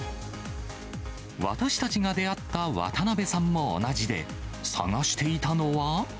私たちが出会った渡辺さんも同じで、探していたのは。